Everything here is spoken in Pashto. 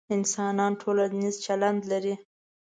انسانان ټولنیز چلند لري،